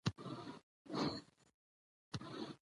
د بانک په سیستم کې د پیرودونکو ریکارډ خوندي ساتل کیږي.